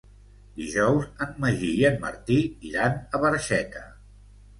Dijous en Magí i en Martí iran a Barxeta.